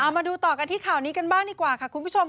มาดูต่อกันที่ข่าวนี้กันบ้างดีกว่าค่ะคุณผู้ชม